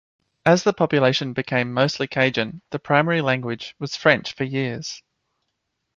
As the population became mostly Cajun, the primary language was French for years.